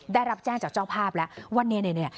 ได้รับแจ้งจากเจ้าภาพแล้วว่าเนี่ย